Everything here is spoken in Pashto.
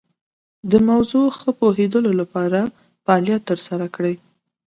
د موضوع ښه پوهیدو لپاره فعالیت تر سره کړئ.